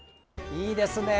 いいですね！